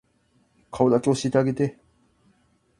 顔だけ教えてあげて